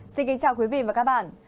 xin kính chào quý vị và các bạn